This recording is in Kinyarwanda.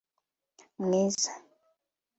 mwiza (bis